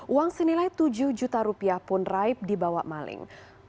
uang senilai tujuh juta rupiah pun raib dibawa maling